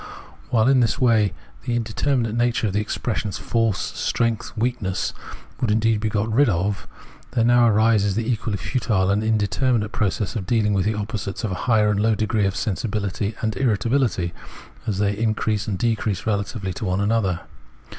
While in this way the indeterminate nature of the expres sions, "force," "strength," "weakness," would indeed be got rid of, there now arises the equally futile and inde terminate process of dealing with opposites of a higher and lower degree of sensibility and irritabihty, as they increase and decrease relatively to one another.